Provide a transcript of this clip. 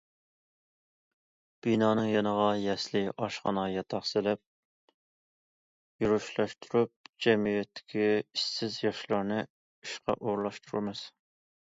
بىنانىڭ يېنىغا يەسلى، ئاشخانا، ياتاق سېلىپ، يۈرۈشلەشتۈرۈپ، جەمئىيەتتىكى ئىشسىز ياشلارنى ئىشقا ئورۇنلاشتۇرىمىز.